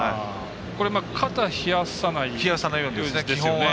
これ、肩冷やさないようにですね。